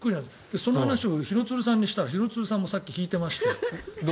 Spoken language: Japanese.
その話を廣津留さんにしたら廣津留さんもさっき引いてました。